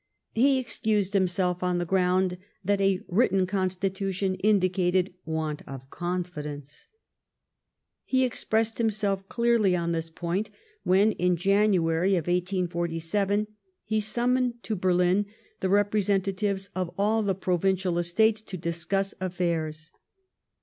He excused himself on the ground that a written Constitution indicated want of confidence, lie expressed himself clearly on this point, when, in January, 1847, he summoned to Berlin the representa tives of all the Provincial Estates to discuss affairs.